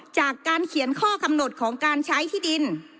จากการเขียนข้อกำหนดของการใช้ที่ดิน